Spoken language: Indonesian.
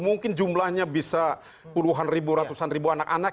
mungkin jumlahnya bisa puluhan ribu ratusan ribu anak anak